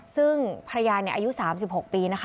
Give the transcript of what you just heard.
ซึ่งภรรยาอายุ๓๖ปีนะคะ